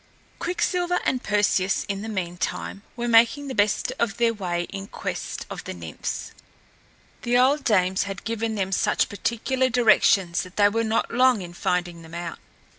Quicksilver and Perseus, in the meantime, were making the best of their way in quest of the Nymphs. The old dames had given them such particular directions that they were not long in finding them out.